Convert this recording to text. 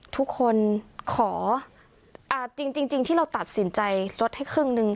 ทุกคนขออ่าจริงจริงจริงที่เราตัดสินใจลดให้ครึ่งหนึ่ง